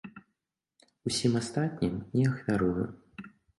Усім астатнім не ахвярую.